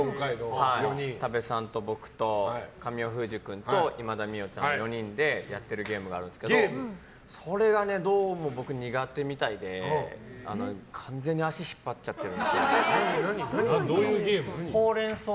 多部さんと僕と神尾楓珠君と今田美桜ちゃんの４人でやっているゲームがあってそれが僕、どうも苦手みたいで完全に足引っ張っちゃってるんですよね。ホウレンソウ